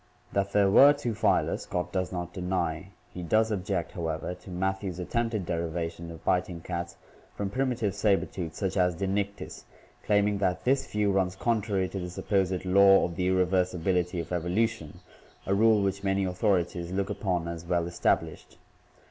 That there were two phyla Scott does not deny; he does object, however, to Matthew's attempted derivation of biting cats from primitive saber tooths such as Dinic tis, claiming that "this view runs contrary to the supposed 'law of the irreversibility of evolution/ a rule which many authorities look upon as well established."